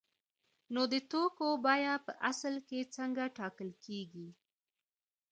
نو د توکو بیه په اصل کې څنګه ټاکل کیږي؟